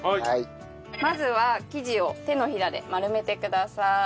まずは生地を手のひらで丸めてください。